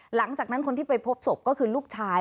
หลังจากนั้นคนที่ไปพบศพก็คือลูกชาย